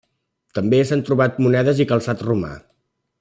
També s'han trobat monedes i calçat romà.